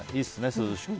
涼しくて。